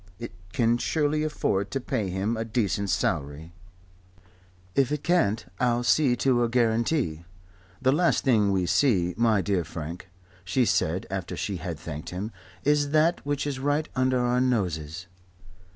It can surely afford to pay him a decent salary. If it can't I'll see to a guarantee." "The last thing we see, my dear Frank," she said after she had thanked him, "is that which is right under our noses."